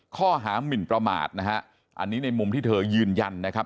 ข้อหามินประมาทนะฮะอันนี้ในมุมที่เธอยืนยันนะครับ